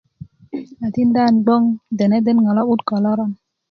a tinda nan bgoŋ denede ŋo lo'but ko loron